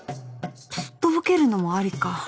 すっとぼけるのもありか